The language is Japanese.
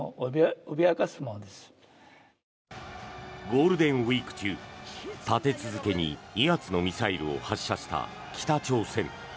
ゴールデンウィーク中立て続けに２発のミサイルを発射した北朝鮮。